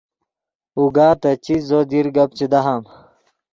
اوگا تے چیت زو دیر گپ چے دہام